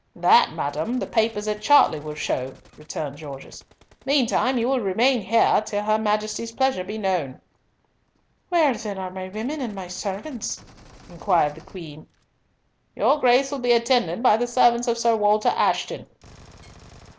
"That, madam, the papers at Chartley will show," returned Gorges. "Meantime you will remain here, till her Majesty's pleasure be known." "Where, then, are my women and my servants?" inquired the Queen. "Your Grace will be attended by the servants of Sir Walter Ashton."